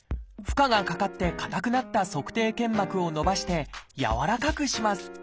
負荷がかかって硬くなった足底腱膜を伸ばしてやわらかくします